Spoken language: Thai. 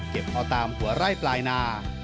เก็บเอาตามหัวไร้ปลายนา